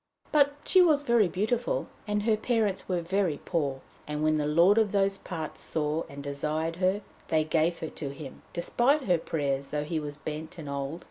But she was very beautiful, and her parents were very poor. And when the lord of those parts saw and desired her, they gave her to him, despite her prayers, though he was bent and old.